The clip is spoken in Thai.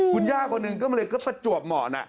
คุณย่าคนนึงก็มาเลยประจวบหมอน